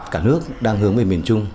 cả nước đang hướng về miền trung